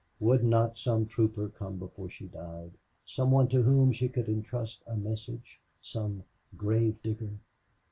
Would not some trooper come before she died, some one to whom she could intrust a message? Some grave digger!